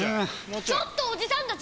・ちょっとおじさんたち